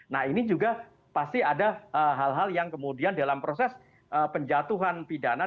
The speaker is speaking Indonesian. nah ini juga pasti ada hal hal yang kemudian dalam proses penjatuhan pidana